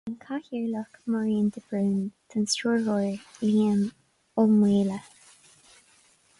don Chathaoirleach Máirín de Brún; don Stiúrthóir Liam Ó Maolaodha